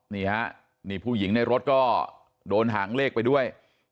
นี่ฮะนี่ผู้หญิงในรถก็โดนหางเลขไปด้วย